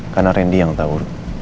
karena rena yang tau